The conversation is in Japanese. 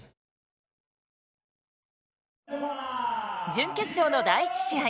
準決勝の第１試合。